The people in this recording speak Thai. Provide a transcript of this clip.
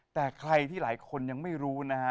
แต่ใครที่หลายคนยังไม่รู้นะฮะ